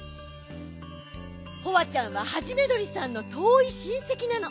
ホワちゃんはハジメどりさんのとおいしんせきなの。